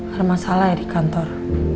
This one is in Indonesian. ada masalah ya di kantor